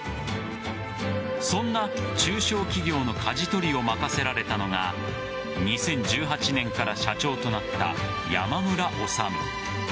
そんな中小企業の舵取りを任せられたのが２０１８年から社長となった山村脩。